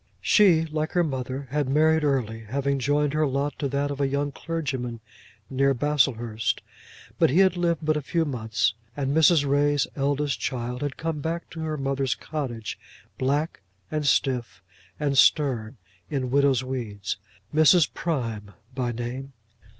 She, like her mother, had married early, having joined her lot to that of a young clergyman near Baslehurst; but he had lived but a few months, and Mrs. Ray's eldest child had come back to her mother's cottage, black, and stiff, and stern, in widow's weeds, Mrs. Prime by name.